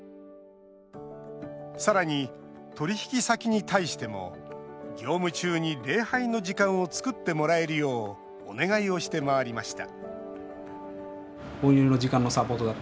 さらに、取引先に対しても業務中に礼拝の時間を作ってもらえるようお願いをして回りました